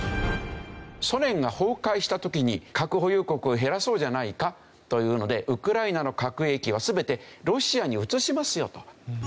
ソ連が崩壊した時に核保有国を減らそうじゃないかというのでウクライナの核兵器は全てロシアに移しますよと。